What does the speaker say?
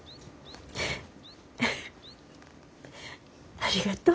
ありがとう。